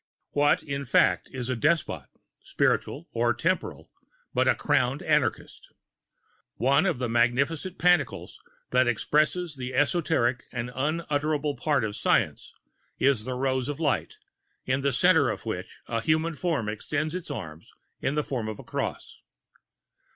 What, in fact, is a despot, spiritual or temporal, but a crowned anarchist? One of the magnificent pantacles that express the esoteric and unutterable part of Science, is a Rose of Light, in the centre of which a human form extends its arms in the form of a cross.